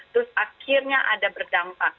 terus akhirnya ada berdampak